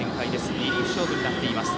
リリーフ勝負になっています。